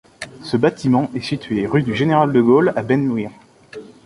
Ce bâtiment est situé rue du Général de Gaulle à Bennwihr.